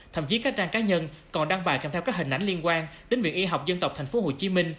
thậm chí các trang cá nhân còn đăng bài kèm theo các hình ảnh liên quan đến viện y học dân tộc tp hcm